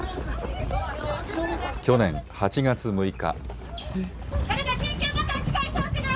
去年８月６日。